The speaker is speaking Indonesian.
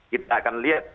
kita akan lihat